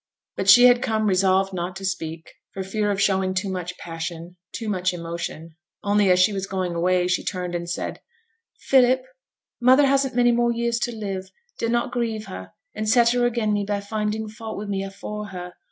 But she had come resolved not to speak, for fear of showing too much passion, too much emotion. Only as she was going away she turned and said, 'Philip, mother hasn't many more years to live; dunnot grieve her, and set her again' me by finding fault wi' me afore her.